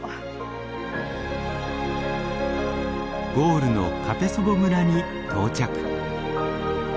ゴールのカペソヴォ村に到着。